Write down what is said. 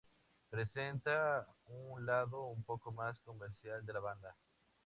Presenta un lado un poco más comercial de la banda.